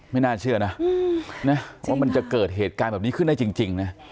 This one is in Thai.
ไม่น่าเชื่อนะว่ามันจะเกิดเหตุการณ์แบบนี้ขึ้นได้จริงนะ